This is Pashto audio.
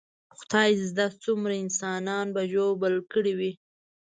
خدا زده څومره انسانان به ژوبل کړي وي.